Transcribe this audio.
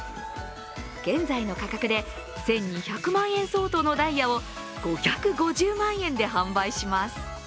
現在の価格で１２００万円相当のダイヤを５５０万円で販売します。